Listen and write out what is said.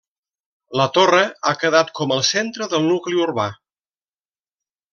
La torre ha quedat com el centre del nucli urbà.